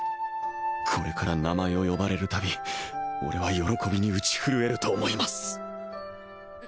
これから名前を呼ばれるたび俺は喜びに打ち震えると思います